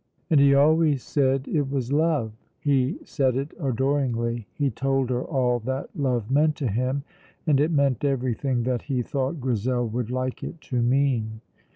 And he always said it was love. He said it adoringly. He told her all that love meant to him, and it meant everything that he thought Grizel would like it to mean.